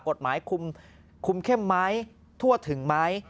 กฎหมายคุมเข้มไหมทั่วถึงไหม